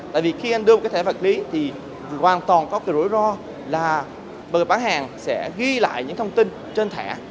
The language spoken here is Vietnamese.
tại vì khi anh đưa cái thẻ vật lý thì hoàn toàn có cái rủi ro là bờ bán hàng sẽ ghi lại những thông tin trên thẻ